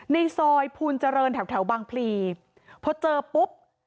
ในซอยพูนเจริญแถวบางพลีเพราะเจอปุ๊บ